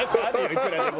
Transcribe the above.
いくらでも。